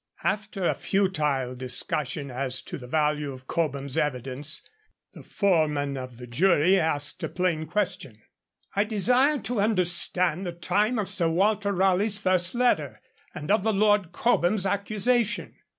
After a futile discussion as to the value of Cobham's evidence, the foreman of the jury asked a plain question: 'I desire to understand the time of Sir Walter Raleigh's first letter, and of the Lord Cobham's accusation.'